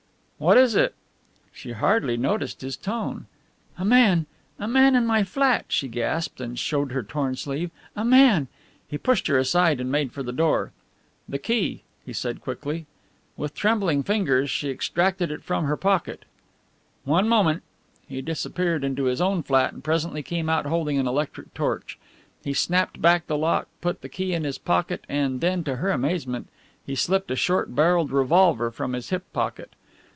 "What is it?" She hardly noticed his tone. "A man a man, in my flat," she gasped, and showed her torn sleeve, "a man...!" He pushed her aside and made for the door. "The key?" he said quickly. With trembling fingers she extracted it from her pocket. "One moment." He disappeared into his own flat and presently came out holding an electric torch. He snapped back the lock, put the key in his pocket and then, to her amazement, he slipped a short barrelled revolver from his hip pocket.